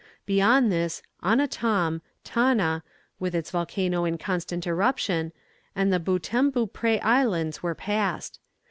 Beyond this Annatom, Tanna, with its volcano in constant eruption, and the Beautemps Beaupré Islands were passed.